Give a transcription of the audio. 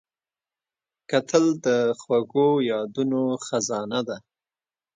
کتل د خوږو یادونو خزانه ده